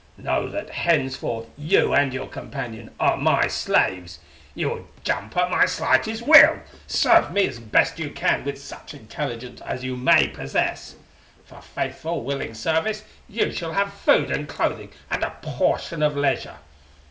"Know that henceforth you and your companion are my slaves. You will jump at my slightest will; serve me as best you can with such intelligence as you may possess. For faithful, willing service you shall have food and clothing and a portion of leisure.